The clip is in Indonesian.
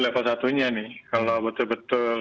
level satu nya nih kalau betul betul